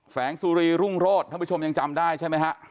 แสงสุรีรุ่งโรธท่านผู้ชมยังจำได้ใช่ไหมฮะ